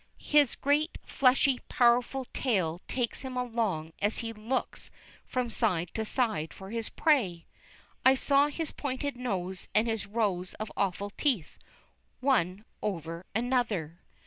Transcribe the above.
His great, fleshy, powerful tail takes him along as he looks from side to side for his prey. I saw his pointed nose and his rows of awful teeth, one over another.